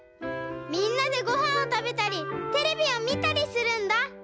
みんなでごはんをたべたりテレビをみたりするんだ。